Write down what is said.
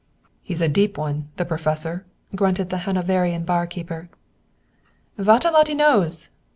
"He's a deep one, the Professor," grunted the Hanoverian barkeeper. "Vat a lot 'e knows!"